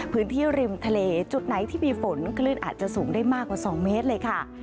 พื้นที่ริมทะเลจุดไหนที่มีฝนคลื่นอาจจะสูงได้มากกว่า๒เมตรเลยค่ะ